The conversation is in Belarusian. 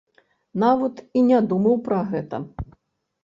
Нават і не думаў пра гэта.